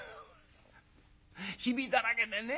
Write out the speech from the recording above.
「ひびだらけでねえ